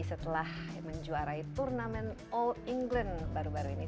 setelah menjuarai turnamen all england baru baru ini